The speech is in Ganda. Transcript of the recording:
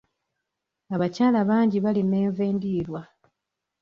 Abakyala bangi balima enva endiirwa.